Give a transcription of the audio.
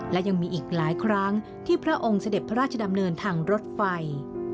และยังมีอีกหลายครั้งที่พระองค์เสด็จพระราชดำเนินทางรถไฟ